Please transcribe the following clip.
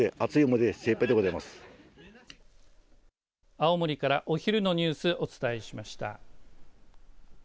青森からお昼のニュースお伝えしました。